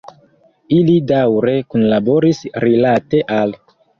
Ili daŭre kunlaboris rilate al.